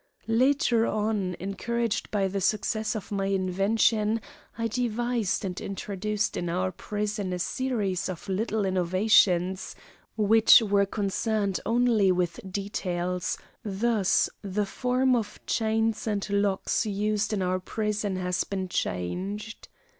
Later on, encouraged by the success of my invention, I devised and introduced in our prison a series of little innovations, which were concerned only with details; thus the form of chains and locks used in our prison has been changed.